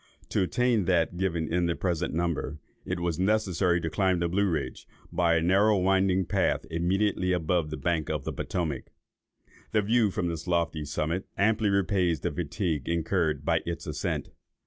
To attain that given in the present number, it was necessary to climb the Blue Ridge, by a narrow winding path, immediately above the bank of the Potomac. The view from this lofty summit amply repays the fatigue incurred by its ascent.